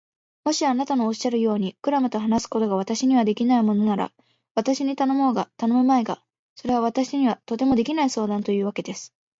もしあなたのおっしゃるように、クラムと話すことが私にはできないものなら、私に頼もうが頼むまいが、それは私にはとてもできない相談というわけです。